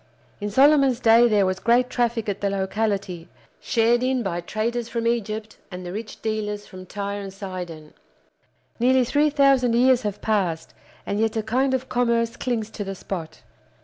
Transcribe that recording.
In Solomon's day there was great traffic at the locality, shared in by traders from Egypt and the rich dealers from Tyre and Sidon. Nearly three thousand years have passed, and yet a kind of commerce clings to the spot.